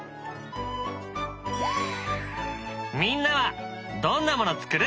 みんなはどんなもの作る？